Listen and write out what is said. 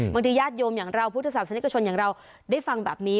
ญาติโยมอย่างเราพุทธศาสนิกชนอย่างเราได้ฟังแบบนี้